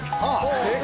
正解。